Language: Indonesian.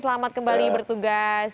selamat kembali bertugas